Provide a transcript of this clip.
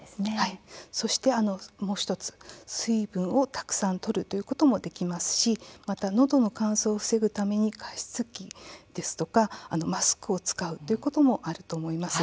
そして、もう１つ水分をたくさんとるということもできますしまた、のどの乾燥を防ぐために加湿器ですとか、マスクを使うということもあると思います。